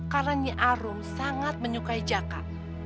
karena nyi arum sangat menyukai jaka